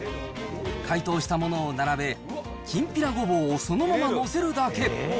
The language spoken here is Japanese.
解凍したものを並べ、きんぴらごぼうをそのまま載せるだけ。